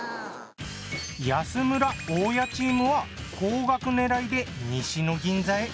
安村・大家チームは高額狙いで西の銀座へ。